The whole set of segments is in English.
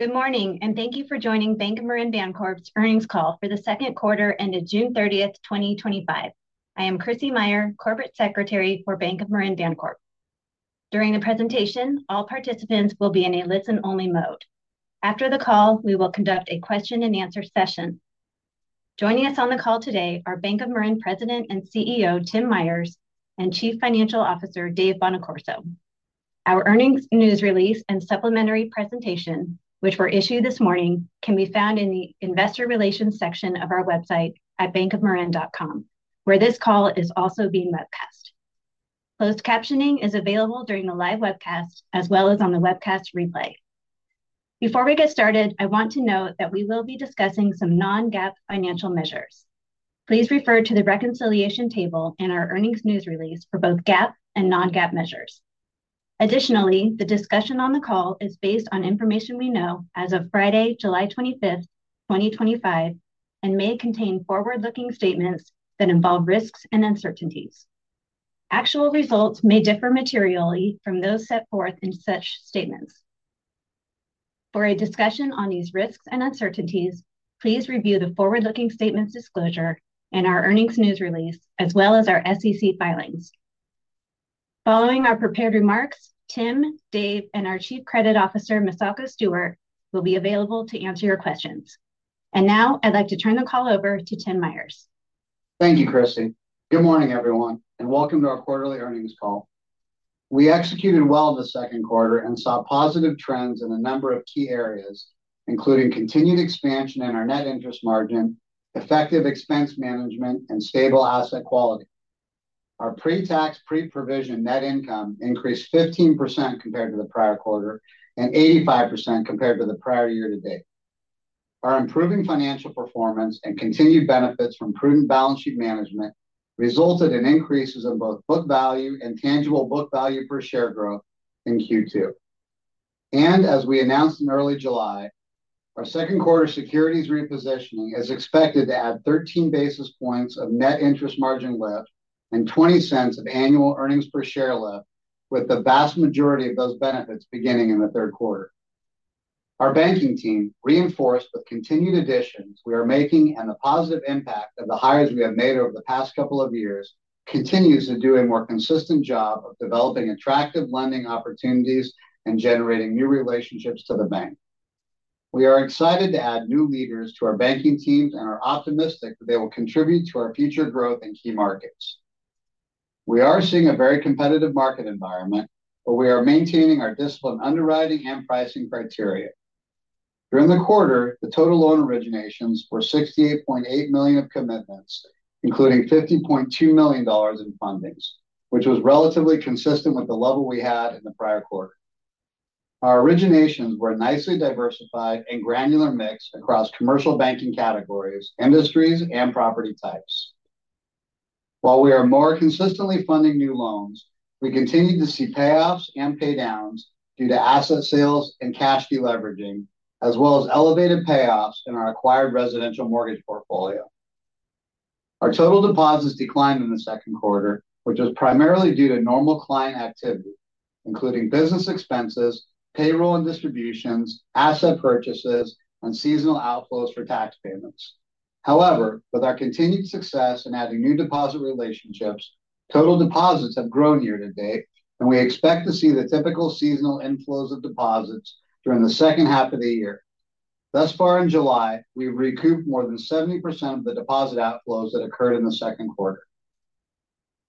Good morning and thank you for joining Bank of Marin Bancorp's Earnings Call for the second quarter ended June 30, 2025. I am Krissy Meyer, Corporate Secretary for Bank of Marin Bancorp. During the presentation, all participants will be in a listen-only mode. After the call, we will conduct a question-and-answer session. Joining us on the call today are Bank of Marin President and CEO Tim Myers and Chief Financial Officer Dave Bonaccorso. Our earnings news release and supplementary presentation, which were issued this morning, can be found in the Investor Relations section of our website at bankofmarin.com, where this call is also being webcast. Closed captioning is available during the live webcast as well as on the webcast replay. Before we get started, I want to note that we will be discussing some non-GAAP financial measures. Please refer to the reconciliation table in our earnings news release for both GAAP and non-GAAP measures. Additionally, the discussion on the call is based on information we know as of Friday, July 25, 2025, and may contain forward-looking statements that involve risks and uncertainties. Actual results may differ materially from those set forth in such statements. For a discussion on these risks and uncertainties, please review the forward-looking statements disclosure and our earnings news release, as well as our SEC filings. Following our prepared remarks, Tim, Dave, and our Chief Credit Officer Misako Stewart will be available to answer your questions. I would like to turn the call over to Tim Myers. Thank you, Krissy. Good morning, everyone, and welcome to our quarterly earnings call. We executed well this second quarter and saw positive trends in a number of key areas, including continued expansion in our net interest margin, effective expense management, and stable asset quality. Our pre-tax, pre-provision net income increased 15% compared to the prior quarter and 85% compared to the prior year-to-date. Our improving financial performance and continued benefits from prudent balance sheet management resulted in increases in both book value and tangible book value per share growth in Q2. As we announced in early July, our second quarter securities repositioning is expected to add 13 basis points of net interest margin lift and $0.20 of annual earnings per share lift, with the vast majority of those benefits beginning in the third quarter. Our banking team reinforced the continued addition we are making and the positive impact of the hires we have made over the past couple of years continues to do a more consistent job of developing attractive lending opportunities and generating new relationships to the bank. We are excited to add new leaders to our banking teams and are optimistic that they will contribute to our future growth in key markets. We are seeing a very competitive market environment, but we are maintaining our discipline underwriting and pricing criteria. During the quarter, the total loan originations were $68.8 million of commitments, including $50.2 million in fundings, which was relatively consistent with the level we had in the prior quarter. Our originations were nicely diversified and granular mixed across commercial banking categories, industries, and property types. While we are more consistently funding new loans, we continue to see payoffs and paydowns due to asset sales and cash deleveraging, as well as elevated payoffs in our acquired residential mortgage portfolio. Our total deposits declined in the second quarter, which was primarily due to normal client activity, including business expenses, payroll and distributions, asset purchases, and seasonal outflows for tax payments. However, with our continued success in adding new deposit relationships, total deposits have grown year-to-date, and we expect to see the typical seasonal inflows of deposits during the second half of the year. Thus far, in July, we have recouped more than 70% of the deposit outflows that occurred in the second quarter.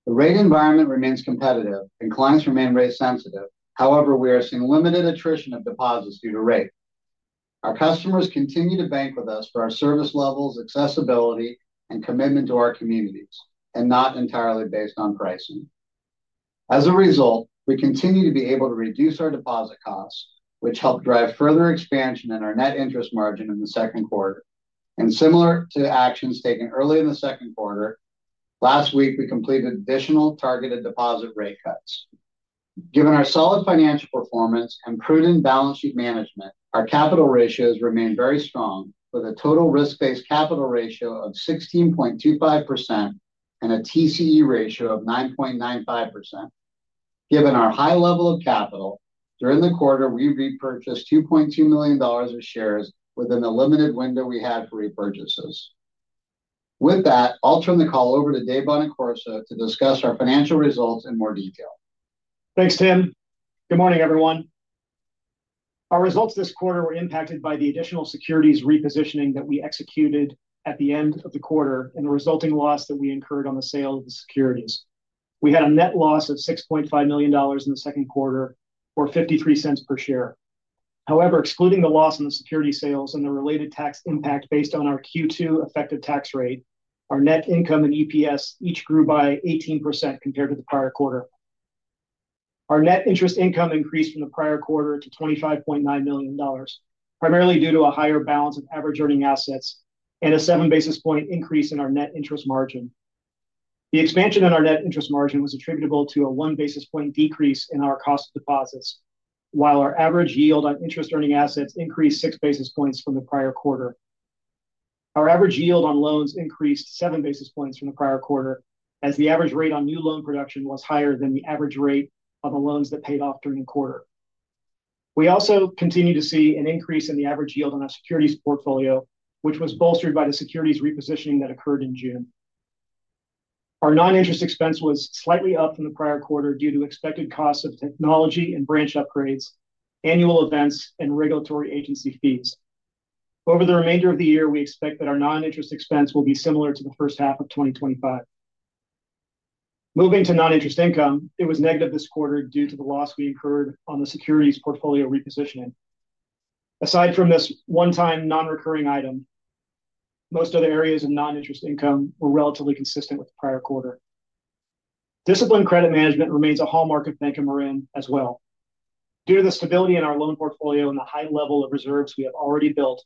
The rate environment remains competitive, and clients remain rate sensitive. However, we are seeing limited attrition of deposits due to rate. Our customers continue to bank with us for our service levels, accessibility, and commitment to our communities, and not entirely based on pricing. As a result, we continue to be able to reduce our deposit costs, which helped drive further expansion in our net interest margin in the second quarter. Similar to actions taken early in the second quarter, last week we completed additional targeted deposit rate cuts. Given our solid financial performance and prudent balance sheet management, our capital ratios remain very strong, with a total risk-based capital ratio of 16.25% and a TCE ratio of 9.95%. Given our high level of capital, during the quarter, we repurchased $2.2 million of shares within the limited window we had for repurchases. With that, I'll turn the call over to Dave Bonaccorso to discuss our financial results in more detail. Thanks, Tim. Good morning, everyone. Our results this quarter were impacted by the additional securities repositioning that we executed at the end of the quarter and the resulting loss that we incurred on the sale of the securities. We had a net loss of $6.5 million in the second quarter, or $0.53 per share. However, excluding the loss in the security sales and the related tax impact based on our Q2 effective tax rate, our net income and EPS each grew by 18% compared to the prior quarter. Our net interest income increased from the prior quarter to $25.9 million, primarily due to a higher balance of average earning assets and a 7 basis point increase in our net interest margin. The expansion in our net interest margin was attributable to a 1 basis point decrease in our cost of deposits, while our average yield on interest earning assets increased 6 basis points from the prior quarter. Our average yield on loans increased 7 basis points from the prior quarter, as the average rate on new loan production was higher than the average rate on the loans that paid off during the quarter. We also continue to see an increase in the average yield on our securities portfolio, which was bolstered by the securities repositioning that occurred in June. Our non-interest expense was slightly up from the prior quarter due to expected costs of technology and branch upgrades, annual events, and regulatory agency fees. Over the remainder of the year, we expect that our non-interest expense will be similar to the first half of 2025. Moving to non-interest income, it was negative this quarter due to the loss we incurred on the securities portfolio repositioning. Aside from this one-time non-recurring item, most other areas of non-interest income were relatively consistent with the prior quarter. Disciplined credit management remains a hallmark of Bank of Marin Bancorp as well. Due to the stability in our loan portfolio and the high level of reserves we have already built,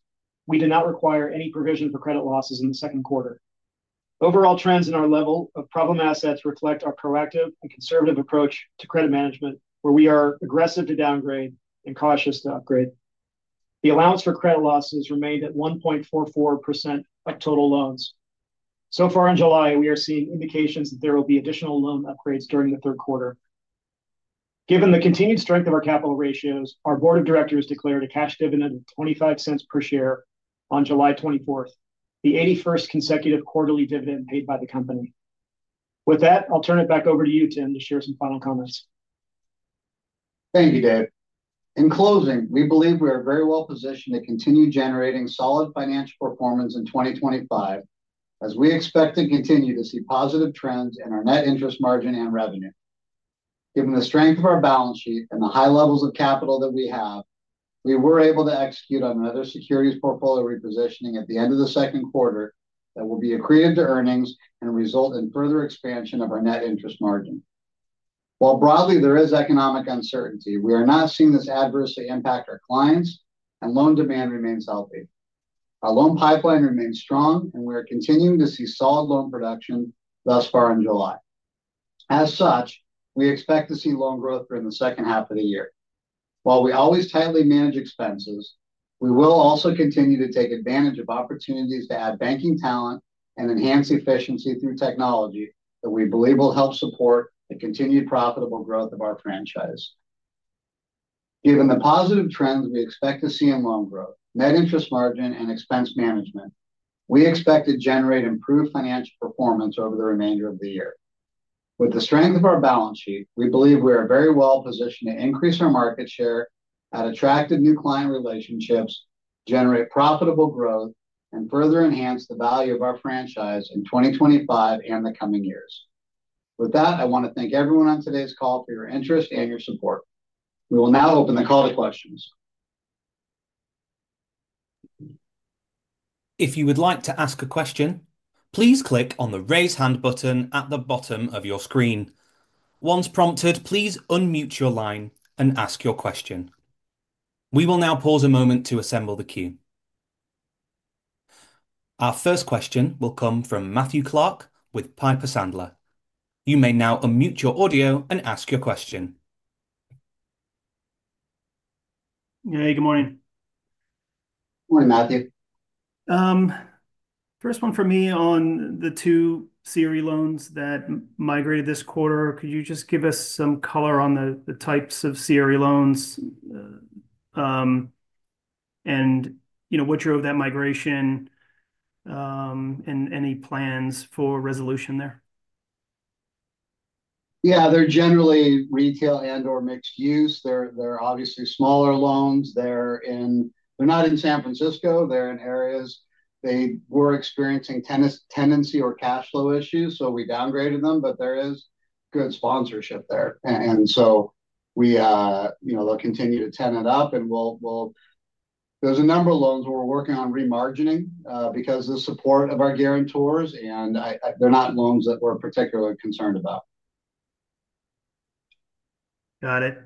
we do not require any provision for credit losses in the second quarter. Overall trends in our level of problem assets reflect our proactive and conservative approach to credit management, where we are aggressive to downgrade and cautious to upgrade. The allowance for credit losses remained at 1.44% of total loans. So far in July, we are seeing indications that there will be additional loan upgrades during the third quarter. Given the continued strength of our capital ratios, our board of directors declared a cash dividend of $0.25 per share on July 24, the 81st consecutive quarterly dividend paid by the company. With that, I'll turn it back over to you, Tim, to share some final comments. Thank you, Dave. In closing, we believe we are very well positioned to continue generating solid financial performance in 2025, as we expect to continue to see positive trends in our net interest margin and revenue. Given the strength of our balance sheet and the high levels of capital that we have, we were able to execute on another securities portfolio repositioning at the end of the second quarter that will be accretive to earnings and result in further expansion of our net interest margin. While broadly there is economic uncertainty, we are not seeing this adversely impact our clients, and loan demand remains healthy. Our loan pipeline remains strong, and we are continuing to see solid loan production thus far in July. As such, we expect to see loan growth during the second half of the year. While we always tightly manage expenses, we will also continue to take advantage of opportunities to add banking talent and enhance efficiency through technology that we believe will help support the continued profitable growth of our franchise. Given the positive trends we expect to see in loan growth, net interest margin, and expense management, we expect to generate improved financial performance over the remainder of the year. With the strength of our balance sheet, we believe we are very well positioned to increase our market share, add attractive new client relationships, generate profitable growth, and further enhance the value of our franchise in 2025 and the coming years. With that, I want to thank everyone on today's call for your interest and your support. We will now open the call to questions. If you would like to ask a question, please click on the raise hand button at the bottom of your screen. Once prompted, please unmute your line and ask your question. We will now pause a moment to assemble the queue. Our first question will come from Matthew Clark with Piper Sandler. You may now unmute your audio and ask your question. Hey, good morning. Morning, Matthew. First one for me on the two CRE loans that migrated this quarter. Could you just give us some color on the types of CRE loans, what drove that migration, and any plans for resolution there? Yeah, they're generally retail and/or mixed use. They're obviously smaller loans. They're not in San Francisco. They're in areas that were experiencing tenancy or cash flow issues, so we downgraded them, but there is good sponsorship there. They'll continue to ten it up, and there's a number of loans we're working on remargining because of the support of our guarantors, and they're not loans that we're particularly concerned about. Got it.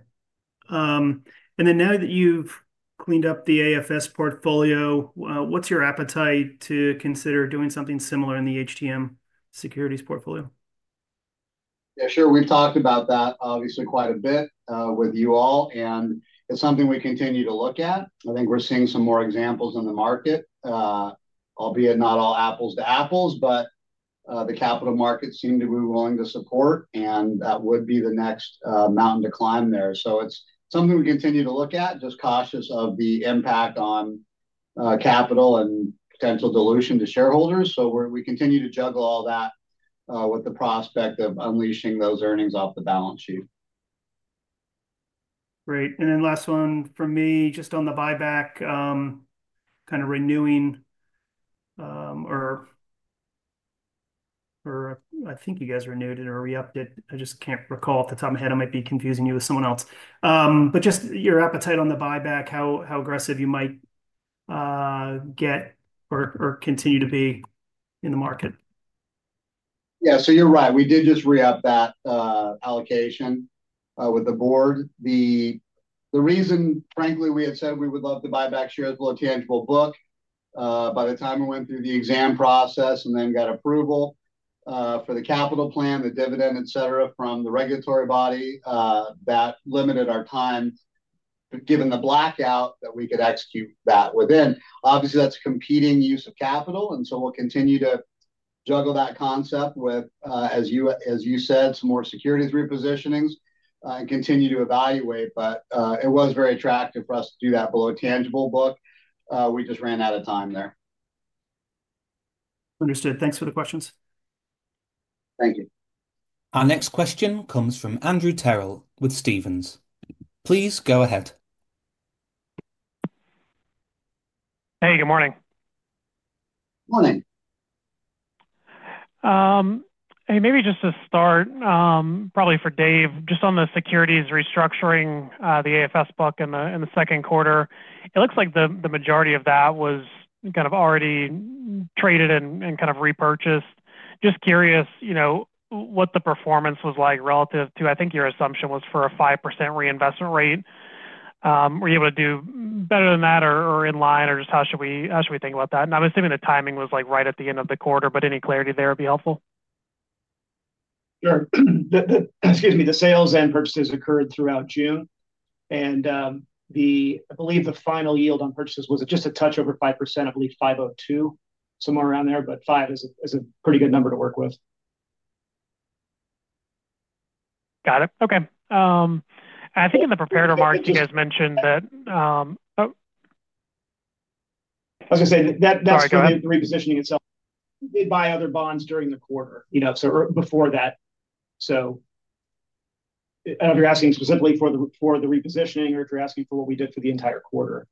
Now that you've cleaned up the AFS portfolio, what's your appetite to consider doing something similar in the HTM securities portfolio? Yeah, sure. We've talked about that obviously quite a bit with you all, and it's something we continue to look at. I think we're seeing some more examples in the market, albeit not all apples to apples, but the capital markets seem to be willing to support, and that would be the next mountain to climb there. It is something we continue to look at, just cautious of the impact on capital and potential dilution to shareholders. We continue to juggle all that with the prospect of unleashing those earnings off the balance sheet. Great. Last one from me, just on the buyback, kind of renewing or I think you guys renewed it or re-upped it. I just can't recall off the top of my head. I might be confusing you with someone else. Just your appetite on the buyback, how aggressive you might get or continue to be in the market. Yeah, you're right. We did just re-up that allocation with the board. The reason, frankly, we had said we would love to buy back shares at the tangible book. By the time we went through the exam process and then got approval for the capital plan, the dividend, et cetera, from the regulatory body, that limited our time, given the blackout, that we could execute that within. Obviously, that's competing use of capital, and we will continue to juggle that concept with, as you said, some more securities portfolio repositionings and continue to evaluate. It was very attractive for us to do that below tangible book. We just ran out of time there. Understood. Thanks for the questions. Our next question comes from Andrew Terrell with Stephens. Please go ahead. Hey, good morning. Hey, maybe just to start, probably for Dave, just on the securities restructuring the AFS book in the second quarter, it looks like the majority of that was kind of already traded and kind of repurchased. Just curious, you know, what the performance was like relative to, I think your assumption was for a 5% reinvestment rate. Were you able to do better than that or in line, or how should we think about that? I'm assuming the timing was right at the end of the quarter, but any clarity there would be helpful. Sure. The sales and purchases occurred throughout June. I believe the final yield on purchases was just a touch over 5%, I believe 5.02%, somewhere around there, but 5% is a pretty good number to work with. Got it. Okay. I think in the prepared remarks, you guys mentioned that. That's correct, the repositioning itself. We'd buy other bonds during the quarter, you know, before that. I don't know if you're asking specifically for the repositioning or if you're asking for what we did for the entire quarter.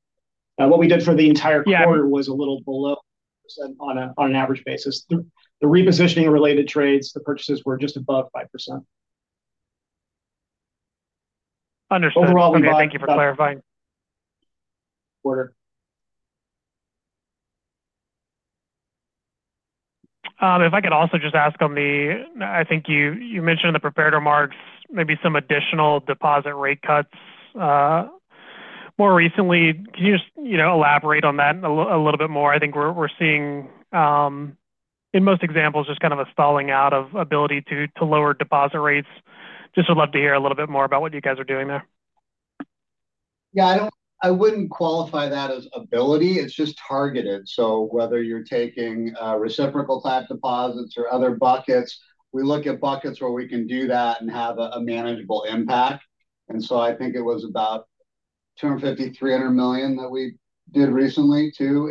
What we did for the entire quarter was a little below 5% on an average basis. The repositioning and related trades, the purchases were just above 5%. Understood. Overall, thank you for clarifying. If I could also just ask on the, I think you mentioned in the prepared remarks, maybe some additional deposit rate cuts more recently. Can you just elaborate on that a little bit more? I think we're seeing, in most examples, just kind of a stalling out of ability to lower deposit rates. Just would love to hear a little bit more about what you guys are doing there. Yeah, I wouldn't qualify that as ability. It's just targeted. Whether you're taking reciprocal type deposits or other buckets, we look at buckets where we can do that and have a manageable impact. I think it was about $250 million, $300 million that we did recently, too,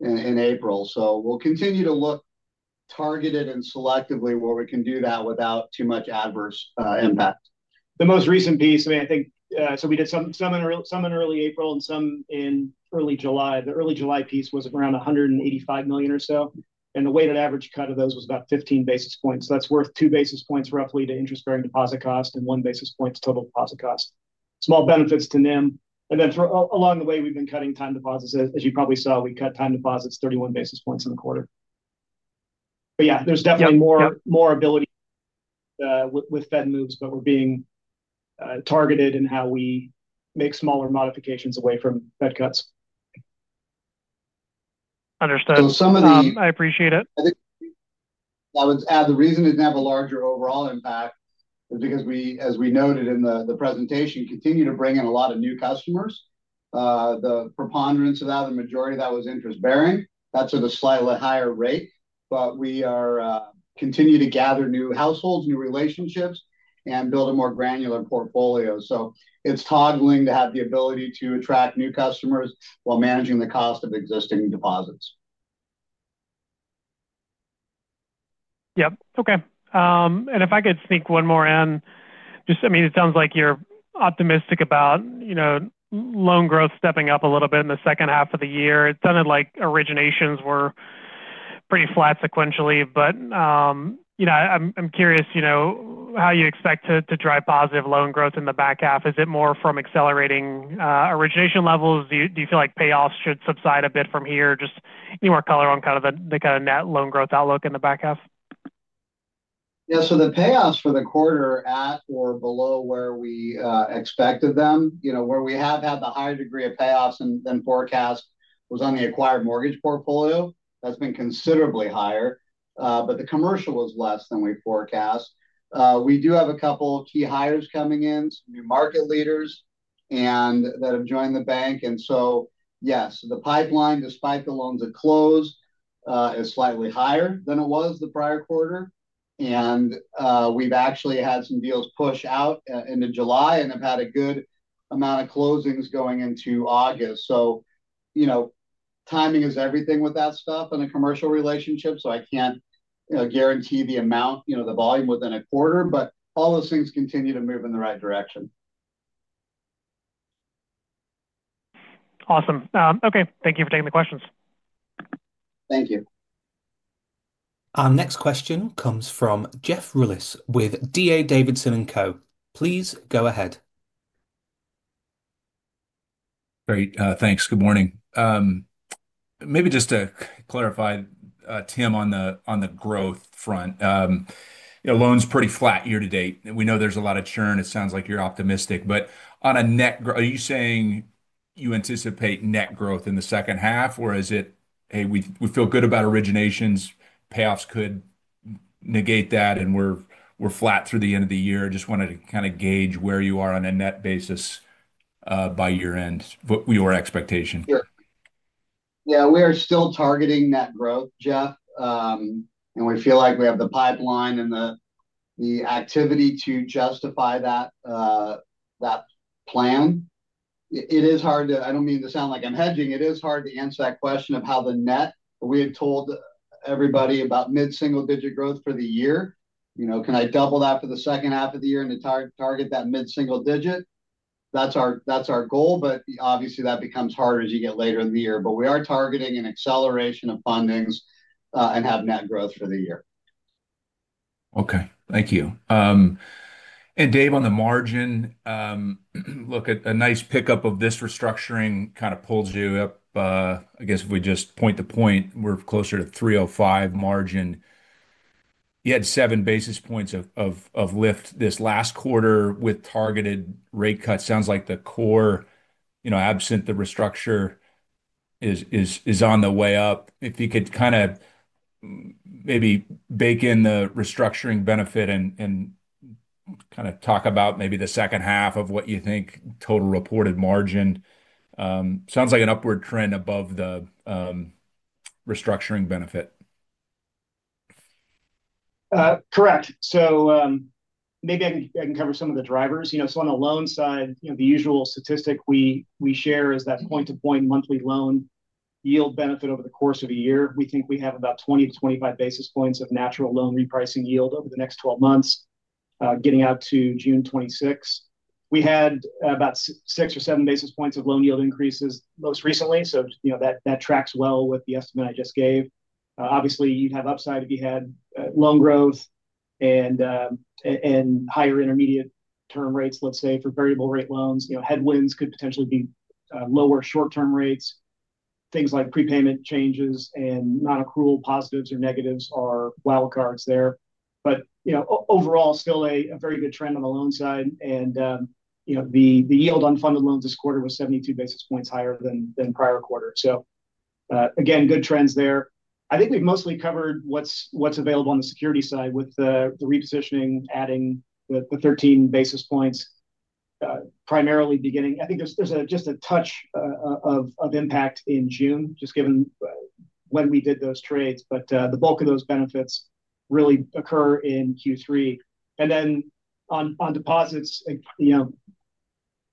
in April. We'll continue to look targeted and selectively where we can do that without too much adverse impact. The most recent piece, I think, we did some in early April and some in early July. The early July piece was around $185 million or so, and the weighted average cut of those was about 15 basis points. That's worth 2 basis points roughly to interest bearing deposit cost and 1 basis point to total deposit cost. Small benefits to them. Along the way, we've been cutting time deposits. As you probably saw, we cut time deposits 31 basis points in the quarter. There is definitely more ability with Fed moves, but we're being targeted in how we make smaller modifications away from Fed cuts. Understood. Some of the. I appreciate it. I would add the reason it didn't have a larger overall impact is because we, as we noted in the presentation, continue to bring in a lot of new customers. The preponderance of that, the majority of that, was interest bearing. That is with a slightly higher rate. We continue to gather new households, new relationships, and build a more granular portfolio. It is toggling to have the ability to attract new customers while managing the cost of existing deposits. Okay. If I could sneak one more in, it sounds like you're optimistic about loan growth stepping up a little bit in the second half of the year. It sounded like originations were pretty flat sequentially. I'm curious how you expect to drive positive loan growth in the back half. Is it more from accelerating origination levels? Do you feel like payoffs should subside a bit from here? Any more color on the net loan growth outlook in the back half? Yeah, so the payoffs for the quarter are at or below where we expected them. Where we have had the higher degree of payoffs than forecast was on the acquired mortgage portfolio. That's been considerably higher. The commercial was less than we forecast. We do have a couple of key hires coming in, new market leaders that have joined the bank. Yes, the pipeline, despite the loans that closed, is slightly higher than it was the prior quarter. We've actually had some deals push out into July and have had a good amount of closings going into August. Timing is everything with that stuff and the commercial relationship. I can't guarantee the amount, the volume within a quarter, but all those things continue to move in the right direction. Awesome. Okay. Thank you for taking the questions. Our next question comes from Jeff Rulis with D.A. Davidson. Please go ahead. Great. Thanks. Good morning. Maybe just to clarify, Tim, on the growth front, you know, loans are pretty flat year-to-date. We know there's a lot of churn. It sounds like you're optimistic. On a net growth, are you saying you anticipate net growth in the second half, or is it, hey, we feel good about originations, payoffs could negate that, and we're flat through the end of the year? I just wanted to kind of gauge where you are on a net basis by year end, what your expectations are. Yeah, we are still targeting net growth, Jeff. We feel like we have the pipeline and the activity to justify that plan. It is hard to, I do not mean to sound like I am hedging. It is hard to answer that question of how the net, we had told everybody about mid-single-digit growth for the year. You know, can I double that for the second half of the year and target that mid-single-digit? That is our goal, obviously that becomes harder as you get later in the year. We are targeting an acceleration of fundings and have net growth for the year. Thank you. Dave, on the margin, look, a nice pickup of this restructuring kind of pulls you up. I guess if we just point to point, we're closer to 3.05% margin. You had 7 basis points of lift this last quarter with targeted rate cuts. Sounds like the core, you know, absent the restructure, is on the way up. If you could kind of maybe bake in the restructuring benefit and kind of talk about maybe the second half of what you think total reported margin. Sounds like an upward trend above the restructuring benefit. Correct. Maybe I can cover some of the drivers. On the loan side, the usual statistic we share is that point-to-point monthly loan yield benefit over the course of a year. We think we have about 20-25 basis points of natural loan repricing yield over the next 12 months, getting out to June 26, 2026. We had about 6 or 7 basis points of loan yield increases most recently. That tracks well with the estimate I just gave. Obviously, you have upside if you had loan growth and higher intermediate term rates, let's say, for variable rate loans. Headwinds could potentially be lower short-term rates. Things like prepayment changes and non-accrual positives or negatives are wildcards there. Overall, still a very good trend on the loan side. The yield on funded loans this quarter was 72 basis points higher than prior quarter. Again, good trends there. I think we've mostly covered what's available on the security side with the repositioning, adding the 13 basis points primarily beginning. I think there's just a touch of impact in June, just given when we did those trades. The bulk of those benefits really occur in Q3. On deposits,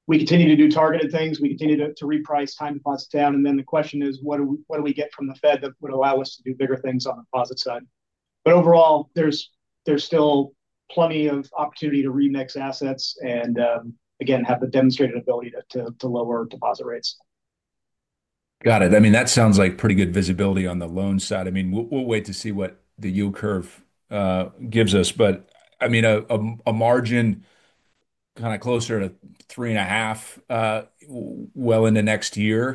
we continue to do targeted things. We continue to reprice time deposits down. The question is, what do we get from the Fed that would allow us to do bigger things on the deposit side? Overall, there's still plenty of opportunity to remix assets and, again, have the demonstrated ability to lower deposit rates. Got it. I mean, that sounds like pretty good visibility on the loan side. I mean, we'll wait to see what the yield curve gives us. A margin kind of closer to 3.5% in the next year,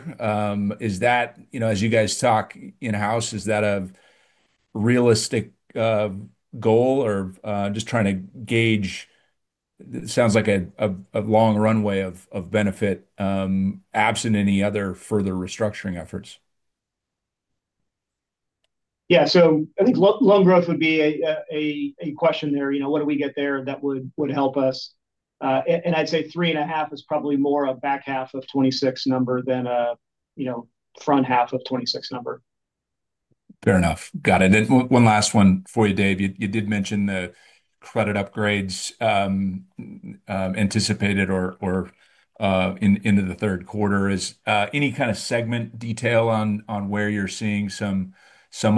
is that, as you guys talk in-house, is that a realistic goal or just trying to gauge? It sounds like a long runway of benefit absent any other further restructuring efforts. I think loan growth would be a question there. You know, what do we get there that would help us? I'd say 3.5% is probably more a back half of 2026 number than a front half of 2026 number. Fair enough. Got it. One last one for you, Dave. You did mention the credit upgrades anticipated or into the third quarter. Is any kind of segment detail on where you're seeing some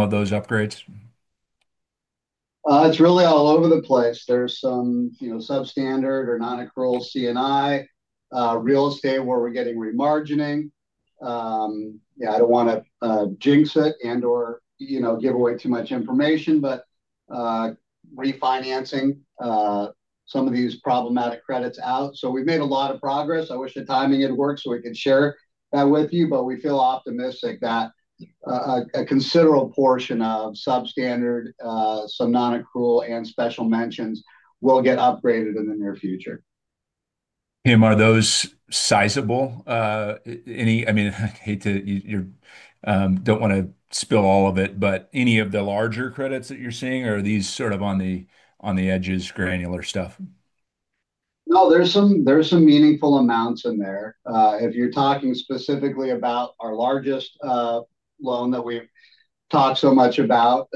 of those upgrades? It's really all over the place. There's some substandard or non-accrual CI real estate where we're getting remargining. I don't want to jinx it or give away too much information, but refinancing some of these problematic credits out. We've made a lot of progress. I wish the timing had worked so we could share that with you, but we feel optimistic that a considerable portion of substandard, some non-accrual, and special mentions will get upgraded in the near future. Tim, are those sizable? I mean, I hate to, you don't want to spill all of it, but any of the larger credits that you're seeing, or are these sort of on the edges, granular stuff? No, there's some meaningful amounts in there. If you're talking specifically about our largest loan that we've talked so much about,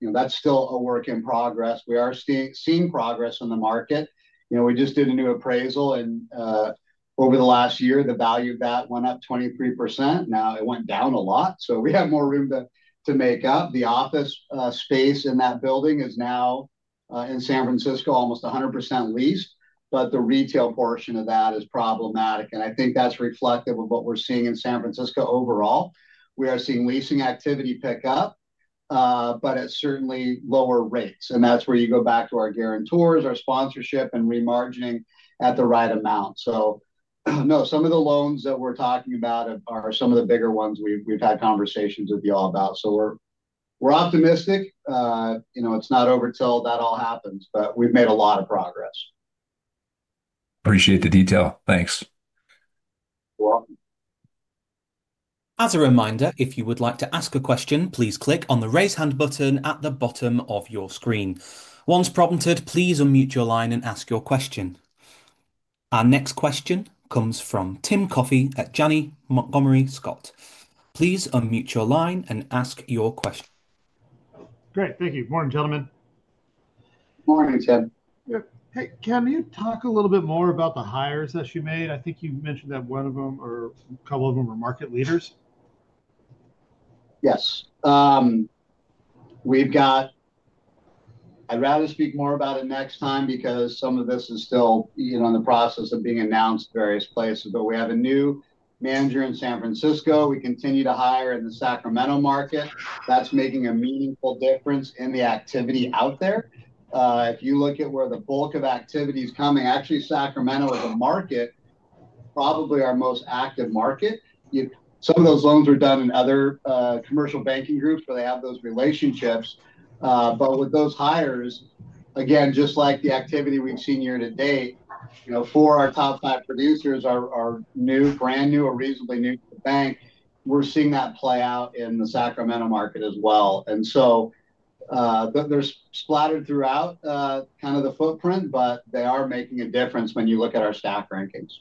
that's still a work in progress. We are seeing progress in the market. We just did a new appraisal, and over the last year, the value of that went up 23%. Now it went down a lot, so we have more room to make up. The office space in that building is now in San Francisco, almost 100% leased. The retail portion of that is problematic. I think that's reflective of what we're seeing in San Francisco overall. We are seeing leasing activity pick up, certainly at lower rates. That's where you go back to our guarantors, our sponsorship, and remargining at the right amount. No, some of the loans that we're talking about are some of the bigger ones we've had conversations with you all about. We're optimistic. It's not over till that all happens. We've made a lot of progress. Appreciate the detail. Thanks. As a reminder, if you would like to ask a question, please click on the raise hand button at the bottom of your screen. Once prompted, please unmute your line and ask your question. Our next question comes from Timothy Coffey at Janney Montgomery Scott. Please unmute your line and ask your question. Great. Thank you. Morning, gentlemen. Morning, Tim. Can you talk a little bit more about the hires that you made? I think you mentioned that one of them, or a couple of them were market leaders. Yes. I'd rather speak more about it next time because some of this is still in the process of being announced in various places. We have a new manager in San Francisco. We continue to hire in the Sacramento market. That's making a meaningful difference in the activity out there. If you look at where the bulk of activity is coming, actually, Sacramento is a market, probably our most active market. Some of those loans were done in other commercial banking groups, so they have those relationships. With those hires, just like the activity we've seen year-to-date, for our top five producers, our new, brand new, or reasonably new to the bank, we're seeing that play out in the Sacramento market as well. They're splattered throughout kind of the footprint, but they are making a difference when you look at our stock rankings.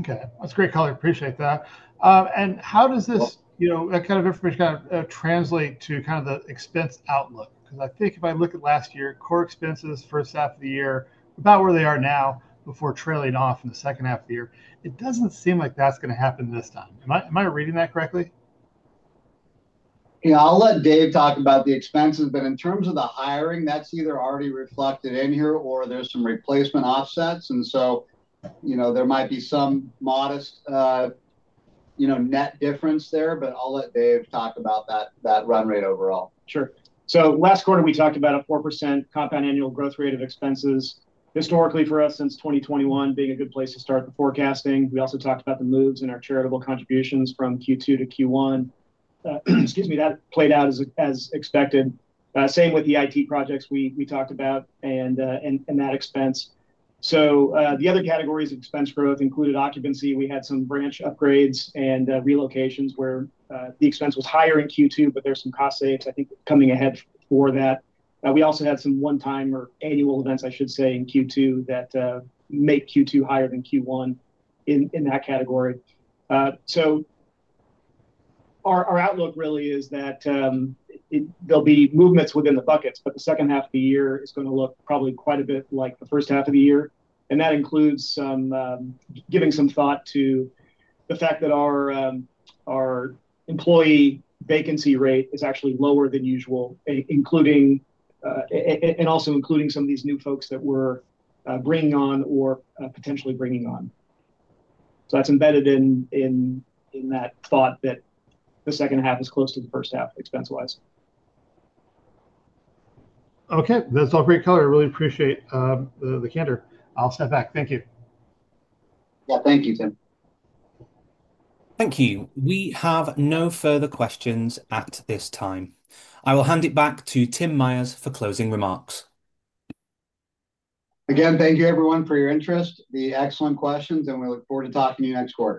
Okay, that's a great call. I appreciate that. How does this information translate to the expense outlook? I think if I look at last year, core expenses first half of the year, about where they are now before trailing off in the second half of the year, it doesn't seem like that's going to happen this time. Am I reading that correctly? Yeah, I'll let Dave talk about the expenses. In terms of the hiring, that's either already reflected in here or there's some replacement offsets. There might be some modest net difference there, but I'll let Dave talk about that run rate overall. Sure. Last quarter, we talked about a 4% compound annual growth rate of expenses. Historically, for us since 2021, being a good place to start the forecasting. We also talked about the moves in our charitable contributions from Q2 to Q1. Excuse me, that played out as expected. Same with EIP projects we talked about and that expense. The other categories of expense growth included occupancy. We had some branch upgrades and relocations where the expense was higher in Q2, but there's some cost saves, I think, coming ahead for that. We also had some one-time or annual events, I should say, in Q2 that make Q2 higher than Q1 in that category. Our outlook really is that there'll be movements within the buckets, but the second half of the year is going to look probably quite a bit like the first half of the year. That includes giving some thought to the fact that our employee vacancy rate is actually lower than usual, including and also including some of these new folks that we're bringing on or potentially bringing on. That's embedded in that thought that the second half is close to the first half expense-wise. Okay. That's all great color. I really appreciate the candor. I'll step back. Thank you. Thank you, Tim. Thank you. We have no further questions at this time. I will hand it back to Tim Myers for closing remarks. Again, thank you, everyone, for your interest, the excellent questions, and we look forward to talking to you next quarter.